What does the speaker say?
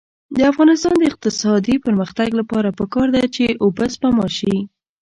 د افغانستان د اقتصادي پرمختګ لپاره پکار ده چې اوبه سپما شي.